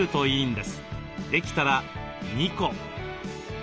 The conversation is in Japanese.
できたら２個。